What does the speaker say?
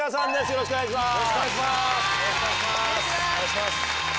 よろしくお願いします。